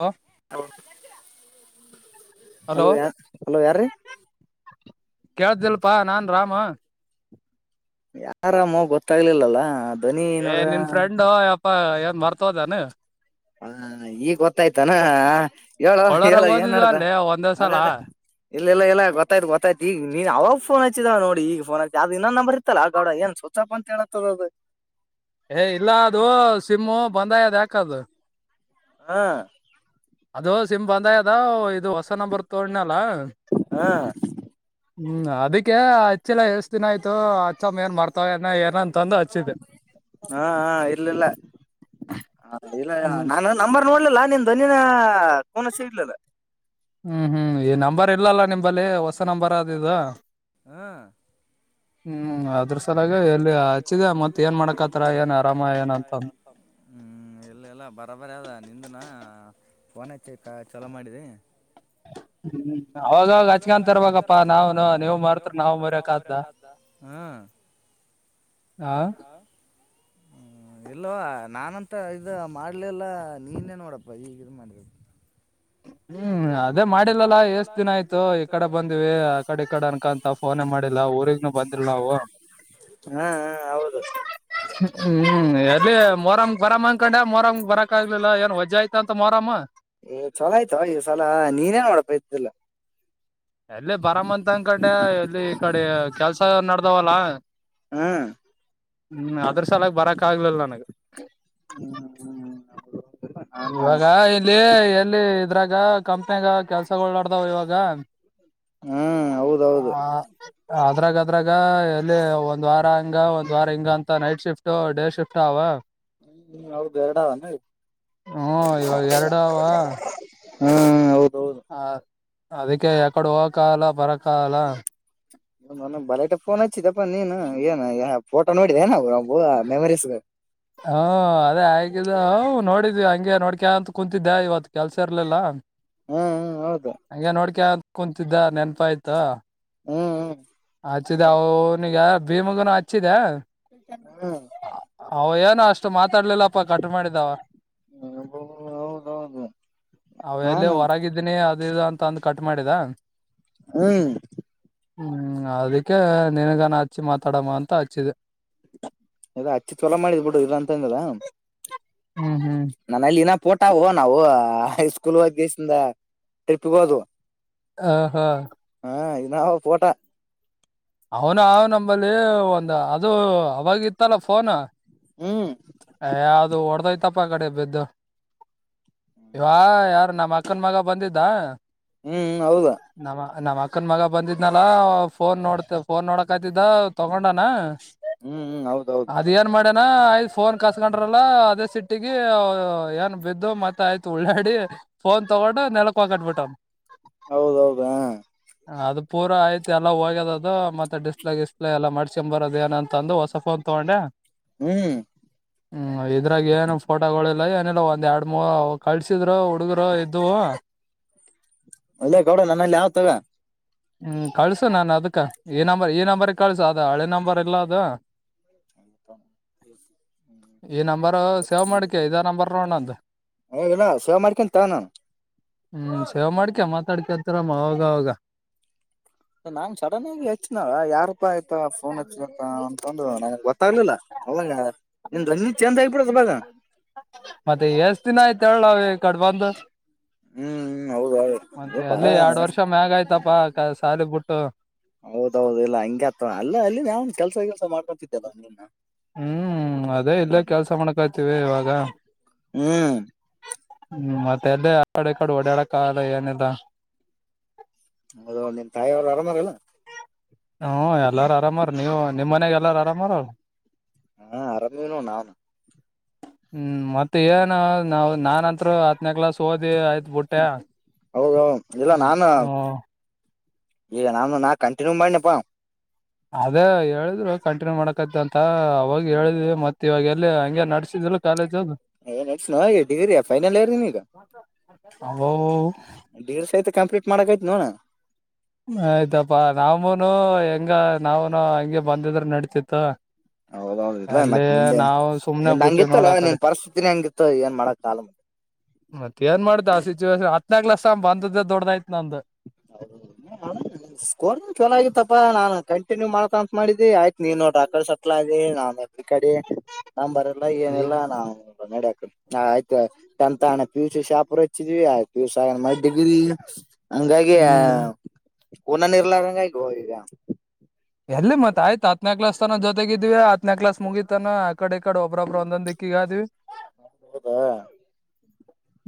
Hello. Hello ಯ hello ಯಾರ್ರೀ. ಕೇಳ್ದಲ್ಪಾ ನಾನ್ ರಾಮ. ಯಾರಾಮ ಗೊತ್ತಾಗ್ಲಿಲ್ಲ. ಏ ನಿನ್ ಫ್ರೆಂಡ್ ಯಪ್ಪ ಏನ್ ಮರ್ತೋಹೋದೆನ್. ಹ ಈಗ ಗೊತ್ತಾಯ್ತಾನ ಹೇಳೋ ಹೇಳ್ ಕೊಳ್ಳರಾಗ ಏನ್ ಓದಿದ್ವ ನಡ್ದ ಅಲ್ಲಿ ಒಂದೇ ಅದೇ ಸಲ ಅದೇ. ಇಲ್ಲ ಇಲ್ಲ ಇಲ್ಲ ಗೊತ್ತಾಯ್ತ ಗೊತ್ತಾಯ್ತ ಈಗ ನೀನ್ ಅವಾಗ ಫೋನ್ ಹಚ್ಚಿದವ ನೋಡ ಈಗ ಫೋನ್ ಅದ ಇನ್ನ ನಂಬರ್ ಇತ್ತಲ್ಲಾ ಗೌಡ ಏನ್ ಚುಚ್ಚಪ್ಪ ಅಂತ ತೇಳತದ ಅದ್. ಏ ಇಲ್ಲ ಅದು ಸಿಮ್ಮು ಬಂದ ಆಗ್ಯದ ಯಾಕ ಅದು. ಹಾ. ಅದು ಸಿಮ್ ಬಂದ ಆಗ್ಯಾದ ಇದು ಹೊಸ ನಂಬರ್ ತೊಂಡ್ನಲ್ಲ. ಹಾ ಹ್ಮ್ ಅದಕ್ಕೆ ಅಚ್ಚಿಲ್ಲ ಎಷ್ಟ ದಿನ ಆಯ್ತು ಅಚ್ಚಮ್ಮ ಏನ್ ಮಾಡ್ತವ ಏನ ಏನ್ ಅಂತಂದ. ಹಾ ಹಾ ಇರ್ಲಿಲ್ಲ ಹ ಇಲ್ಲ ಹ್ಮ್ ನಾನ್ ನಂಬರ್ ನೋಡ್ಲಿಲ್ಲ ನೀನ್ ದನಿನಾ ಕುನಾ ಸಿಗ್ಲಿಲ್ಲ. ಹ್ಮ್ ಹ್ಮ್ ಈ ನಂಬರ್ ಇಲ್ಲಲ್ಲ ನಿಂಬಲ್ಲಿ ಹೊಸ ನಂಬರ್ ಆದ ಇದ. ಹ್ಮ್. ಹ್ಮ್ ಅದ್ರ ಸಲಾಗ ಎಲ್ಲಿ ಹಚ್ಚಿದ್ಯ ಮತ್ತ ಏನ್ ಮಾಡಕತ್ತಾರ ಏನ್ ಆರಾಮ ಏನ ಅಂತದ. [inaudible] ಹ್ಮ್ ಇಲ್ಲ ಇಲ್ಲ ಬರಬರೀ ಆದ ನಿಂದನಾ ಫೋನಚ್ಚಿ ಕ ಚಲೋ ಮಾಡಿದಿ. ಹ್ಮ್ ಅವಾಗವಾಗ ಹಚ್ಕಂತ ಇರ್ಬೇಕ್ಪ ನಾವನು ನೀವು ಮರ್ತ ನಾವು ಮರ್ಯಕ್ ಆತ್ದ. ಹಾ ಆ. ಹ ಇಲ್ಲೊ ನಾನಂತ ಇದ ಮಾಡ್ಲಿಲ್ಲ ನೀನೇ ನೋಡಪ್ಪ ಈಗಿದ ಮಾಡಿದ ಹ್ಮ್ ಅದೇ ಮಾಡಿಲ್ಲಲ್ಲ ಎಸ್ ದಿನ ಆಯ್ತು ಈ ಕಡೆ ಬಂದಿವಿ ಆ ಕಡಿ ಈ ಕಡಿ ಅನ್ಕಂತ. ಫೋನಹೆ ಮಾಡಿಲ್ಲ ಊರಿಗ್ನು ಬಂದಿಲ್ಲ ನಾವು. ಹಾ ಹಾ ಹೌದು. ಹ್ಮ್ ಎಲ್ಲಿ ಮೊರಂಗ್ ಬರಮ್ ಅನ್ಕೊಂಡ್ಯ ಮೊರಂ ಬರಕ್ ಆಗ್ಲಿಲ್ಲ ಏನ್ ವಜ್ಜಿ ಆಯ್ತ ಅಂತ ಮೊರಂ ಏ ಚಲೋ ಆಯ್ತಾ ಈ ಸಲ ನೀನೇ ನೋಡಪ ಇದೀಲ್ಲ. ಎಲ್ಲಿ ಬರಮಂತ ಅನ್ಕಂಡೆ ಎಲ್ಲಿ ಈ ಕಡಿ ಕೆಲ್ಸ ನಡ್ದಾವಲ್ಲ. ಹ್ಮ್. ಹ್ಮ್ ಅದ್ರ ಸಲಗ್ ಬರಕ್ ಆಗ್ಲಿಲ್ಲ ನನಗ್. ಹ್ಮ, ಹ್ಮ ಇವಾಗ ಇಲ್ಲಿ ಎಲ್ಲಿ ಇದ್ರಾಗ ಕಂಪನ್ಯಗ ಕೆಲ್ಸ ಕೆಲ್ಸಗಳಳು ನಡ್ದವ ಇವಾಗ. ಹ್ಮ್ ಹೌದೌದು ಅದ್ರಾಗ ಅದ್ರಾಗ ಎಲ್ಲಿ ಒಂದ್ ವಾರ ಹಂಗ ಒಂದ್ ವಾರ ಹಿಂಗ ಅಂತ ನೈಟ್ ಶಿಫ್ಟ್ ಡೇ ಶಿಫ್ಟ್ ಆವ್. ಹ್ಮ ಹೌದು ಎರಡ ಆವನ್. ಹ್ಮ ಇವಾಗ ಎರಡು ಅವಾ. ಹ ಹ ಹೌದೌದು. ಹ ಅದಕ್ಕೆ ಎಕಡ ಹೋಗಕ ಆಗಲ್ಲ ಬರಕಾಗಲ್ಲ. ಒ ಬಲಾಟೆ ಫೋನ್ ಹಚ್ಚಿದಪ್ಪಾ ನೀನು ಏನ್ ಫೋಟೋ ನೋಡಿದೆ ನ ಒ ಮೆಮರೀಸ್. ಹ್ಮ ಅದೇ ಆಗಿದ್ದ ನೋಡಿದ್ವಿ ಹಂಗೆ ನೋಡ್ಕ ಅಂತ ಕುೂಂತಿದ್ದ್ಯಾ ಇವತ್ ಕೆಲ್ಸ ಇರ್ಲಿಲ್ಲ. ಹ್ಮ ಹ್ಮ್ ಹೌದ. ಹಂಗೆ ನೋಡ್ಕ ಕುತಿದ್ದ ನೆನಪ ಆಯ್ತು. ಹ್ಮ್ ಹ್ಮ್. ಹಚ್ಚಿದೆ ಅವನಿಗೆ ಭೀಮಗನು ಹಚ್ಚಿದೆ. ಹ್ಮ್. ಅವ ಏನೋ ಅಷ್ಟು ಮಾತಾಡ್ಲಿಲ್ಲಪ್ಪ ಕಟ ಮಾಡಿದಾವ. ಹ್ಮ್ ಹೌದೌದು ಅವ ಎಲ್ಲಿ ನಾನು ಹೊರಗಿದ್ದೀನಿ ಅದ ಇದು ಅಂತ ಅಂದು ಕಟ್ ಮಾಡಿದ. ಹ್ಮ್. ಹ್ಮ್ ಅದಕ್ಕೆ ನನ್ಗಾನ ಹಚ್ಚಿ ಮಾತಾಡಮ್ಮ ಅಂತ ಹಚ್ಚಿದೆ. ಇಡ ಅಚ್ಚಿ ಚಲೋ ಮಾಡಿದ್ ಬಿಡು ಇಲ್ಲ ಅಂದ ಅಂದಿಲ್ಲಾ. ಹ್ಮ್ ಹ್ಮ್. ನನಲ್ಲಿನ ಪೋಟವು ನಾವು ಹೈ ಸ್ಕೂಲ್ ಒಗಶಿಂದ ಟ್ರಿಪ್ಗೆ ಹೋದುವು. ಹ ಹ. ಹಾ ಇನ್ನಾವ ಫೋಟಾ. ಅವನ ಅವ ನಂಬಲ್ಲಿ ಒಂದು ಅದು ಅವಾಗ ಇತ್ತಲ್ಲ ಫೋನು. ಹ್ಮ. ಏ ಅದು ಹೊಡದೋಯ್ತಪ್ಪ ಕಡೆ ಬಿದ್ದು ಯವ ಯಾರು ನಮ್ಮ ಅಕ್ ಕ್ಕನ್ ಮಗ ಬಂದಿದ್ದ. ಹ್ಮ್ ಹ್ಮ್ ಹೌದ. ನಮ್ಮ ನಮ್ಮ್ ಅಕ್ಕನ್ ಮಗ ಬಂದಿದ್ನಲ್ಲ ಫೋನ್ ನೋಡ್ತ ಫೋನ್ ನೋಡಕ್ತಿದ್ದ ತಗೊಂಡನ. ಹ್ಮ್ ಹ್ಮ್ ಹೌದೌದ. ಅದ್ ಏನ್ ಮಾಡೇನಾ ಆಯ್ ಫೋನ್ ಕಸ್ಕೊಂಡ್ರಲ್ಲ ಅದೇ ಸಿಟ್ಟಗ ಏನ್ ಬಿದ್ದು ಮತ್ತ ಆಯ್ತು ಉಳ್ಳಾಡಿ ಫೋನ್ ತೊಗೊಂಡ ನೆಲಕ್ಕ ಒಗಟ್ ಬಿಟ್ಟ್ನ. ಹೌದೌದ [inaudible] ಅದು ಪೂರಾ ಐಥ ಎಲ್ಲ ಹೋಗ್ಯದ ಅದು ಮತ್ತ ಡಿಸ್ಪ್ಲೇಡಿಸ್ಲೇ ಎಲ್ಲ ಮಾಡಕೊಂಬ ಬರದ ಏನ ಅಂದು ಹೊಸಾ ಫೋನ್ ತಗೊಂಡೆ. ಹ್ಮ್. ಹ್ಮ್ ಇದ್ರಾಗ ಏನು ಫೋಟೋಗಳಿಲ್ಲ ಏನಿಲ್ಲ ಒಂದ್ ಎರಡ್ ಮೂರ್ ಕಳಸಿದ್ರು ಹುಡುಗರು ಇದವು. ಅಲ್ಲೇ ಗೌಡ ನನ್ನಲ್ಲಿ ಯಾವ ತಗ ಹ್ಮ್ ಕಳ್ಸು ನಾನ್ ಅದಕ ಈ ನಂಬರ್ ಈ ನಂಬರ್ ಕಳ್ಸು ಅದ ಹಳೆ ನಂಬರ್ ಇಲ್ಲ ಅದು. [inaudible] ಈ ನಂಬರ್ ಸೇವ್ ಮಾಡ್ಕ ಇದೇ ನಂಬರ್ ನೋಡ ನಂದ. ಏ ಇಲ್ಲಾ ಸೇವೆ ಮಾಡ್ಕೊಂತನ ತುಗೋ ನಾನ್. ಹ್ಮ್ ಸೇವ ಮಾಡ್ಕ ಮಾತಾಡ್ಕತರಮ್ಮ ಅವಾಗ ಅವಾಗ. ನಾನ ಸಡನ್ ಆಗಿ ಹೆಚ್ಚನಾವ ಯಾರಪ್ಪ ಆಯ್ತಾ ಫೋನ್ ಹಚ್ಚ ಅಂತಂದು ನಮಗ್ ಗೊತ್ತಾಗ್ಲಿಲ್ಲ. ಅವಾಗ ನಿನ್ನ ದನಿ ಚಂದ ಆಗಬಿತ್ತದ ಇವಾಗ. ಮತ್ತೆ ಎಷ್ಟ ದಿನ ಆಯ್ತ ಹೇಳ ನಾವ್ ಈಕಡೆ ಬಂದ. ಹ್ಮ್ ಹೌದ ಮತ್ತೆ ಹೌದು ಬಾಳ ಅಲ್ಲಿ ಎರಡ್ ವರ್ಷ ಮ್ಯಾಗ ಆಯ್ತಪ ಸಾಲಿಗ್ ಬಿಟ್ಟು. ಹೌದೌದು ಇಲ್ಲ ಹಂಗ ಅತ ಅಲ್ಲ ಅಲ್ಲಿ ನಾವನ್ ಕೆಲ್ಸ ಕೆಲ್ಸ ಮಾಡ್ಕೊತಿದ್ದಲ್ಲನ್ನ. ಹ್ಮ್ ಅದೇ ಇಲ್ಲೇ ಕೆಲ್ಸ ಮಾಡ್ಕಾಯತಿವಿ ಇವಾಗ ಹ್ಮ್ ಹ್ಮ್ ಮತ್ತೆ ಅದೇ ಆಡೆ ಈ ಕಡೆ ಓಡಾಡಕ್ಕಲ್ಲ ಏನಿಲ್ಲ ಹೌದು ನಿನ್ ತಾಯಿ ಅವ್ರು ಆರಾಮಾರಲ್ಲಾ ಹ್ಞೂ ಎಲ್ಲಾರು ಆರಾಮಾರ ನೀವು ನಿಮ್ಮ ಮನೆಯಾಗ ಎಲ್ಲಾರು ಆರಾಮಾರ ಅಲ್ಲ ಹಾ ಆರಾಮದೇವ ನಾನು [inaudible] ಹ್ಮ್ ಮತ್ತೆ ಏನ ನಾವ ನಾನತ್ರ ಹತ್ನ ಕ್ಲಾಸ್ ಓದಿ ಆಯ್ತ ಬುಟ್ಯ ಹೌದ [unintelligible] ಹು ಯಾ ನಂದ ನಾ ಕಂಟಿನ್ಯೂ ಮಾಡನಪ್ಪಾ ಅದೇ ಹೇಳಿದ್ರು ಕಂಟಿನ್ಯೂ ಮಾಡಕತ ಅಂತ ಅವಾಗ ಹೇಳಿದ್ವಿ ಮತ್ತೆ ಇವಾಗ ಎಲ್ಲ ಹಂಗೆ ನಡ್ಸಿದಿಲ್ಲ ಕಾಲೇಜ್ ಅದು [unintelligible] ಫೈನಲ್ಲ ಇಯರ ನೀನ ಈಗ ಅವು ಡಿಗ್ರಿ ಸತೇ ಕಂಪ್ಲೀಟ್ ಮಾಡಕ ಐತ ಅಣ್ಣ ಆಯ್ತಪ್ಪಾ ನಾಮನು ಹೆಂಗ ನಾಾವನು ಹಂಗೆ ಬಂದಿದ್ರ ನಡ್ತಿತ್ತು. ಹೌದೌ ಹೌದ ಇಲ್ಲ ಮತ್ ನಿಂದೆ ಸುಮ್ನೆ ನಿನ್ ಬಿಟ್ಟಿವ್ ನೋಡ ಹಂಗಿತ್ತಲ್ಲ ಆ ಕಡೆ ನಿನ್ ಪರಿಸ್ಥತಿನಿ ಹಂಗಿತ್ತ ಏನ ಮಾಡಕ್ ಆಗಲ್ಲ. ಮತ್ತ ಏನ್ ಮಾಡತ ಆ ಸಿಚುವೇೇಶನ್ ಹತ್ನ ಕ್ಲಾಸ್ ಬಂದದ ದೊಡಯ್ತ ನಂದ [unintelligible] ಹೌದು ಸ್ಕೋರ್ ಚಲ ಆಗತ್ತಪ್ಪಾ ನಾ ಕಂಟನ್ಯೂ ಮಾಡತ ಅಂತ್ ಮಾಡಿದಿ ಆಯ್ತ್ ನೀನ್ ನೋಡ್ರ ಆ ಕಡೆ ಸಟ್ಲ ಆದಿ ನಾನ ಈ ಕಡೆ ನಂಬರ್ ಇಲ್ಲ ಏನೆಲ್ಲಾ ನಾವು ನಡ ಹಾಕ ಹಾ ಆಯ್ತು ಟೆತ್ತ ಪಿ ಯು ಸಿ ಶಾಪರ್ ಹಚ್ಚಿದ್ವಿ ಹಾ ಪಿ ಯು ಸಿ ಆಗ ಮ್ಯಾಲ ಡಿಗ್ರಿ. ಹಂಗಾಗಿ ಹ್ಮ್ [inaudible] ಕೂನ ನಿರ್ಲಾರಂಗ ಆಗೋ ಈಗ ಎಲ್ಲಿ ಮತ್ತ ಆಯ್ತ ಹತ್ನೇ ಕ್ಲಾಸ್ ತನಾ ಜೊತೆಗಿದ್ವಿ ಹತ್ತನೇ ಕ್ಲಾಸ್ ಮುಗಿತನ ಅ ಕಡೆ ಈ ಕಡೆ ಒಬ್ಬೊಬ್ಬರುಂದ ದಿಕ್ಕಿಗೆ ಆದ್ವಿ [inaudible] ಹೌದಾ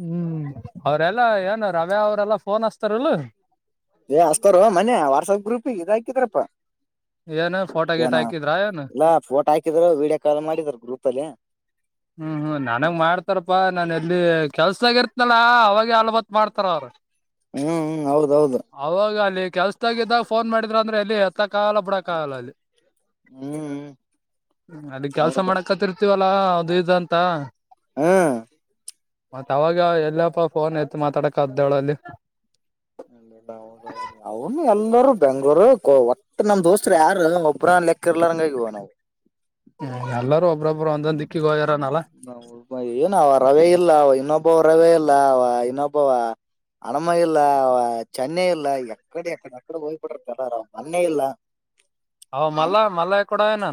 ಹ್ಮ್ ಅವ್ರಲ್ಲಾ ಏನ್ ರವ್ಯಾ ಅವ್ರಲ್ಲಾ ಫೋನ್ ಹಸ್ತಾರಲ್ಲ. ಏ ಹಚ್ಚತಾರ ಮನೆ ವಾಟ್ಸಪ್ ಗ್ರೂಪ್ ಇದ ಹಾಕಿದ್ರಪ್ಪಾ. ಏನ್ ಫೋಟೋ [inaudible] ಗಿಟ ಏನ ಹಾಕಿದ್ರ ಏನ್ ಇಲ್ಲ ಫೋಟೋ ಹಾಕಿದರು ವಿಡಿಯೋ ಕಾಲ್ ಮಾಡಿದರು ಗ್ರೂಪ ಅಲ್ಲಿ ಹ್ಮ ನನಗ ಮಾಡ್ತಾರಪ್ಪಾ ನಾನ ಎಲ್ಲಿ ಕೆಲ್ಸದಾಗ ಇರ್ತನಲ್ಲ ಅವಾಗ ಅಲ್ಬತ್ ಮಾಡ್ತಾರ ಅವ್ರು [inaudible] ಹ್ಮ್ ಹೌದ ಹೌದ ಅವಾಗ ಅಲ್ಲಿ ಕೆಲ್ಸದಾಗಿದ್ದಾಗ ಫೋನ್ ಮಾಡಿದ್ರ ಅಂದ್ರೆ ಅಲ್ಲಿ ಎತ್ತಕ್ ಆಗಲ್ಲ ನೋಡಕ್ಕಾಗಲ್ಲಲ್ಲಿ ಹ್ಮ್ ಹ್ಮ್ [inaudible] ಅದ ಕೆಲ್ಸ ಹೌದು ಮಾಡಕತಿರ್ತೀವಲ್ಲಾ ಅದು ಇದು ಅಂತ... ಹ್ಮ್ಮ್ ಅವಾಗ ಎಲ್ಲಪ್ಪ ಫೋನ್ ಎತ್ತ ಮಾತಾಡಕ್ದಳ ಅಲ್ಲಿ. [inaudible] ಅವ್ನು ಎಲ್ಲರೂ ಬೆಂಗಳೂರ ಗೋವಾ ಒಟ್ಟ ನಮ್ ದೋಸ್ತರು ಯಾರ ಒಬ್ರ ಲೆಕ್ಕ ಇರ್ಲಂಗಗವ ನಾವು ಹ್ಮ್ ಎಲ್ಲರೂ ಒಬ್ಬೊಬ್ರು ಒಂದೊಂದ ದಿಕ್ಕಿ ಗೋಯಾರನಲ್ಲ ನಾ ಏನ ಅವ ರವಿ ಇಲ್ಲ ಅವ ಇನ್ನೊಬ್ಬವ ರವಿ ಇಲ್ಲ ಅವ ಇನ್ನೊಬ್ಬವ ಹನಮ ಇಲ್ಲ ಅವ ಚೆನ್ನೈ ಇಲ್ಲ ಎಕಡೆ ಎಕಡೆ ಮಡೆ ಹೋಗ್ಬಿಟ್ಟಿತಾರ ಆರಾಮ್ ಮೊನ್ನೆ ಇಲ್ಲ ಹ ಮಲ್ಲ ಮಲ್ಲಯ ಕೂಡ ಏನ್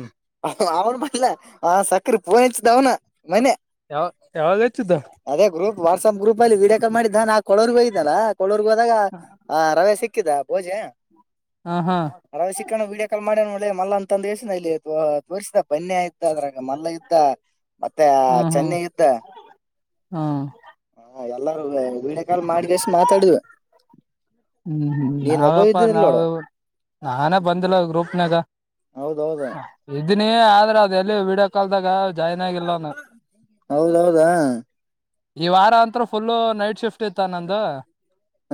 ಅವ್ನು ಬಲ್ಲ ಆ ಸಕ್ರೆ ಪೋನ್ ಇಚ್ಚ್ದ ಅವ್ನ ಮನ್ನೆ ಯಾವ ಯಾವಾಗ ಹೆಚ್ಚಿದ್ದ ಅದೇ ಗ್ರೂಪ್ ವಾಟ್ಸಪ್ ಗ್ರೂಪ್ಲ್ಲಿ ವಿಡಿಯೋ ಕಾಲ ಮಾಡಿದ್ದ ನಾನ ಆ ಕೊಳೂರುಗೆ ಹೋಗಿದನಲ್ಲ ಕೊಳೂರುಗೆ ಹೋದಾಗ ಹ ರವೆ ಸಿಕ್ಕಿದ ಭೋಜೆ ಹಾ ಹಾ. ಅರ ಸಿಕ್ಕಣ ವೀಡಿಯೋ ಕಾಲ್ ಮಾಡಣೆ ಮಲ್ಲ ಅಂದಸ ಇ ತೋರಿಸ್ ಬನ್ನಿಯತ ಇದ್ದ ಅದ್ರಾಗ ಮಲ್ಲ ಇದ್ದ ಮತ್ತೆ ಚೆನ್ನ ಇದ್ದ. ಹಾ. ಹ ಎಲ್ಲಾರೂ ವೀಡಿಯೋ ಕಾಲ್ ಮಾಡಿ ಕಸಿ ಮಾತಾಡಿದು. ಹ್ಮ್ ಹ್ಮ್ ಒಬ್ಬ ನಾವಪ್ಪಾ ಇದ್ದಿದ್ದಿಲ್ಲ ನೋಡು ನಾವು ನಾನೇ ಬಂದಿಲ್ಲ ಗ್ರೂಪ್ನಾಗ. ಹೌದೌದ. ಇದನಿ ಆದ್ರ ಅದ ಎಲ್ಲಿ ವಿಡಿಯೋ ಕಾಲ್ದಾಗ. ಜಾಯಿನ್ ಆಗಿಲ್ಲ ನಾನ್. ಹೌದೌದಾ ಈ ವಾರ ಅಂತ್ರ ಫುಲ್ ನೈಟ್ ಶಿಫ್ಟ್ ಇತ್ತ ನಂದು.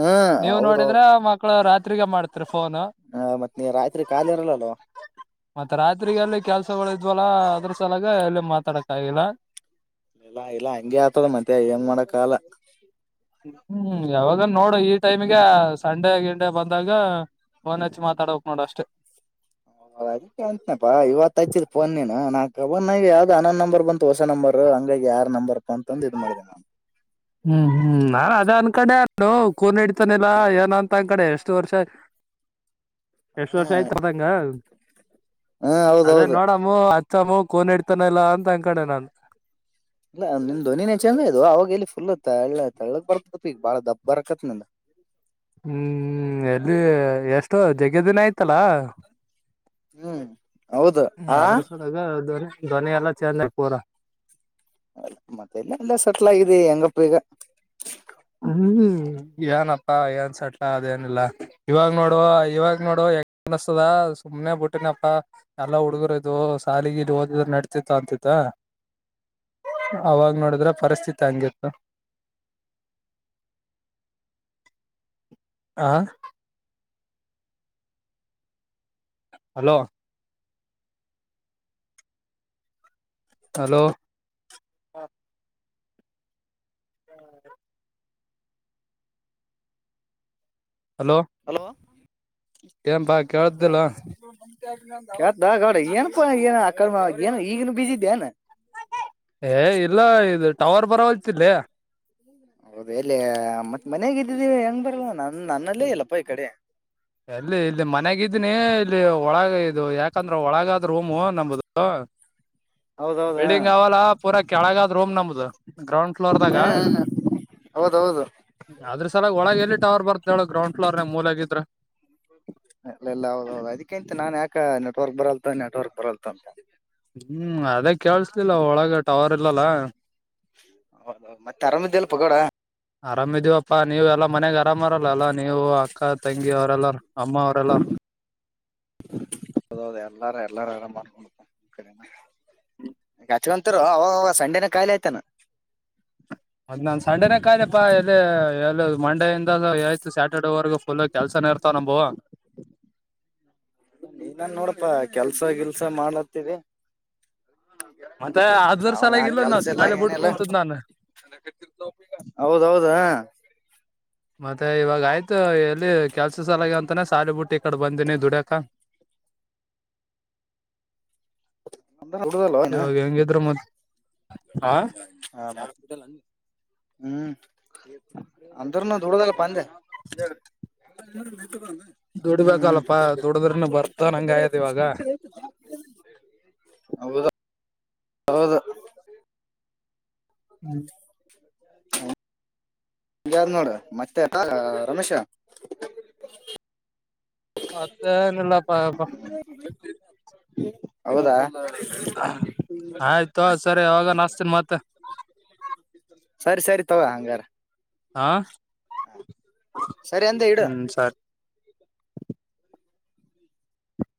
ಹಾ ನೀವು ಹೌದೌದು ನೋಡಿದ್ರೆ ಮಕ್ಳು ರಾತ್ರಿಗೆ ಮಾಡ್ತರಿ ಫೋನು. ಹ ಮತ್ತ ನೀ ರಾತ್ರಿ ಕಾಲಿ ಇರಲ್ಲಲ್ವಾ. ಮತ್ತೆ ರಾತ್ರಿಗೆ ಅಲ್ಲಿ ಕೆಲ್ಸಗಳ ಇದ್ವಲ್ಲ ಅದ್ರ ಸಲವಾಗ ಎಲ್ಲಿ ಮಾತಾಡಕ್ ಆಗಿಲ್ಲ. ಇಲ್ಲಾ ಇಲ್ಲಾ ಹಂಗೆ ಆತದ ಮತ್ತ ಏನ್ ಮಾಡಕ್ ಆಗಲ್ಲ. ಹ್ಮ್ ಯಾವಾಗನ ನೋಡು ಈ ಟೈಮಗ ಸಂಡೆ ಗಿಂಡೆ ಬಂದಾಗ. ಫೋನ್ ಹಚ್ಚಿ ಮಾತಾಡೋಕ್ ನೋಡ ಅಷ್ಟೇ. ಓಹ್ ಅದಕ್ಕೆ ಅಂತನಪ್ಪಾ ಇವತ್ ಹಚ್ಚಿದ್ ಫೋನ್ ನೀನು ನಾಕ್ ಕಬ ನ ಯಾವ್ದ್ ಅನೋನ ನಂಬರ್ ಬಂತ ಹೊಸ ನಂಬರ್ ಹಂಗಾಗಿ ಯಾರ್ ನಂಬರ್ಪ್ಪಾ ಅಂತಂದ ಇದ್ ಮಾಡಿದೆ ನಾನ. ಹ್ಮ್ ಹ್ಮ್ ನಾನ್ ಅದ ಅಂದ ಕಡೆ ಅದು ಕೂನ್ ಇಡ್ತಾನಿಲ್ಲಾ ಏನ ಅಂತ ಅಕಡೆ ಎಷ್ಟು ವರ್ಷ ಆಯ ಎಷ್ಟ ವರ್ಷ ಆಯ್ತಾರದಂಗ ಹಾ ಅದೇ ಹೌದೌದು ನೋಡ ಮು ಅಚ್ಚಮ್ಮ ಕೋನ್ ಇಡ್ತಾನಲ್ಲ ಅಂತ ಅಕಡೆೆ ನಾನ್ ಇಲ್ಲ ನಿಮ ಧ್ವನಿನೇ ಚೇಂಜ್ ಆಗೇದ ಓ ಅವಾಗ ಎಲ್ಲಿ ಫುಲ್ ತಳ್ಳ ತಳ್ಳಳಕ್ ಬರ್ತಪ್ಪ ಈಗ ಬಾಳ ದಪ್ಪ ಬರಕತ್ತು ನಿಂದು. ಹ್ಮ್ ಎಲ್ಲಿ ಎಷ್ಟೋ ಜಗ್ಗದಿನ ಆಯ್ತಲ್ಲ. ಹ್ಮ್ ಹೌದು ಆ. ಈಗ ಧ್ವನಿ ಧ್ವನಿ ಎಲ್ಲ ಚೇಂಜ್ ಪೂರಾ. ಅ ಮತ್ತೆಲ್ಲ ಎಲ್ಲ ಸೆಟ್ಲ್ ಆಗಿದೆ ಹೆಂಗಪ್ಪ ಈಗ. ಹ್ಮ್ ಏನಪ್ಪಾ ಏನ್ ಸೆಟ್ಲ ಅದೇನಿಲ್ಲಾ. ಇವಾಗ ನೋಡು ಇವಾಗ ನೋಡು ಹೆಂಗ ಅನಸ್ತದ ಸುಮನೆ ಬಿಟ್ಟಿನಪ್ಪ. ಎಲ್ಲಾ ಹುಡುಗರು ಇದು ಸಾಲಿ ಗಿಲಿ ಓದಿದ್ರ ನಡ್ತಿತ್ತ ಅಂತ ಇತ್ತ್. ಅವಾಗ ನೋಡಿದ್ರೆ ಪರಿಸ್ಥಿತಿ ಹಂಗಿತ್ತ. ಆ. ಹಲೋ. ಹಲೋ. [inaudible] ಹಲೋ ಏನಪಾ ಕೇಳತ್ತ ಇಲ್ಲೋ. ಕೇಳತ್ತ ಗೌಡ ಏನ್ ಪ ಏನು ಆಕಡೆ ಮಾ ಏನು ಈಗನು ಬೀಜಿದ್ದೆ ನ್. ಏ ಇಲ್ಲ ಇದು ಟವರ್ ಬರವಲ್ತ ಇಲ್ಲಿ. ಹೌದು ಎಲ್ಲಿ ಮತ್ ಮನಯಾಗ ಇದ್ದಿದ್ದೀವಿ ಹೆಂಗ್ ಬರಲ್ವ ನನ್ ನನ್ನಲ್ಲೇ ಇಲ್ಲಪ್ಪ ಈ ಕಡೆ. ಎಲ್ಲಿ ಇಲ್ಲಿ ಮನ್ಯಾಗ ಇದ್ದೀನಿ ಇಲ್ಲಿ ಒಳಗ ಇದು ಯಾಕಂದ್ರೆ ಒಳಗಾದ ರೂಮು ನಮ್ಮದು. ಹೌದೌದ ಬಿಲ್ಡಿಂಗ್ ಅವಲ್ಲ ಪೂರಾ ಕೆಳಗಾದ್ ರೂಮ್ ನಮ್ದ ಗ್ರೌಂಡ್ ಫ್ಲೋ ಫ್ಲೋರ್ದಾಗ. ಹಾ ಹೌದೌದು. ಆದ್ರ ಸಲ ಒಳಗೆ ಎಲ್ಲಿ ಟವರ್ ಬರತ್ತ್ ಹೇಳು ಗ್ರೌಂಡ್ಫ್ಲೋರ್ ನ ಮೂಲ್ಯಾಗ ಇದ್ರ. ಲ್ಲ ಎಲ್ಲ ಹೌದೌದು ಅದಕ್ಕಿಂತ ನಾನ್ ಯಾಕ ನೆಟ್ವರ್ಕ್ ಬರಲ್ತ್ ನೆಟ್ವರ್ಕ್ ಬರಲ್ತ ಅಂತ. ಹ್ಮ್ ಅದೇ ಕೇಳ್ಸಲಿಲ್ಲ ಒಳಗ ಟವರ್ ಇಲ್ಲಲ್ಲ. ಹೌ ಮತ್ತೆ ಅರಾಮ್ದಲ್ಲಿ ಪ ಗೌಡಾ ಅರಾಮ್ ಇದೀವಪ್ಪಾ ನೀವ ಎಲ್ಲಾ ಮನಾಗ ಆರಾಮ್ರಲ್ಲ ಎಲ್ಲಾ ನೀವು ಅಕ್ಕ ತಂಗಿ ಅವರೆಲ್ಲಾರ ಅಮ್ಮ ಅವರೆಲ್ಲಾ ಹೌದೌದ ಎಲ್ಲಾರು ಎಲ್ಲಾರು ಆರಾಮ್ ಅವ್ರು ಗಚವಂತರು ಅವ ಸಂಡೆನ ಕಾಯಿ ಆಯ್ತಾನ ಅದ್ ನಾನ್ ಸಂಡೇನ ಕಾಯಿಪ್ಪಾ ಎಲ್ಲಿ ಎ ಮಂಡೆಯಿಂದ ಆಯ್ತು ಸ್ಯಾಟರ್ಡೇವರೆಗ ಫುಲ್ ಆ ಕೆಲ್ಸನ ಇರ್ತಾವ ನಂಬು ನೀನ್ ನೋಡಪಾ ಕೆಲ್ಸ ಗಿಲ್ಸ ಮಾಡತ್ತೇವಿ ಮತ್ತೆ ಅದ್ರ ಹ ಸಲಾಗಿಲ್ಲ ನಾವ್ ಕೆಲಸ ಶಾಲೆ ಬಿಟ್ಟ ಎನೀಲ್ಲಾ ಕುಂತದ್ ನಾನು ಹೌದೌದಾ ಮತ್ತೆ ಇವಾಗ ಆಯ್ತು ಎಲ್ಲಿ ಕೆಲ್ಸ ಸಾಲಗ ಅಂತಾನ ಸಾಲಿಬುಟ್ಟಿ ಈ ಕಡೆ ಬಂದಿನಿ ದುಡ್ಯಾಕ ದುಡ್ದಲ್ವ ಏನ ಇವಾಗ ಹೆಂಗಿದ್ರೆ ಮ ಹಾ ಹ ಹ್ಮ್ ಅಂದ್ರನು ದುಡದಲ್ಲಪ್ ಅಂದೆ ಹ್ಮ್ ಹ್ಮ್ ದುಡ್ಬೇಕಲ್ಲಪ್ಪಾ ದುಡಿದ್ರನು ಬರ್ತ ಹಂಗ ಆಯದ ಇವಾಗ ಹೌದು ಹೌದು ಹ್ಮ ಯಾರ ನೋಡ ಮತ್ತೆ ಆ ರಮೇಶ ಮತ್ತೆ ಏನಿಲ್ಲಪ್ಪ ಪಾ ಹೌದಾ ಆಯ್ತು ಸರಿ ಅವಾಗ ನಾಸ್ತೀನ ಮತ್ತೆ ಸರಿ ಸರಿ ತಗೋ ಹಂಗಾರ ಆ ಹ ಸರಿ ಅಂದೆ ಇಡು ಸರಿ